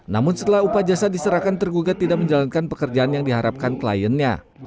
namun setelah upah jasa diserahkan tergugat tidak menjalankan pekerjaan yang diharapkan kliennya